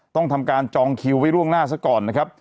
ต้องทำการจองคิวไว้ล่วงหน้าซะก่อนนะครับ